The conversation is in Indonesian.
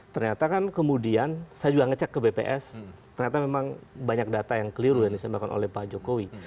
ternyata kan kemudian saya juga ngecek ke bps ternyata memang banyak data yang keliru yang disampaikan oleh pak jokowi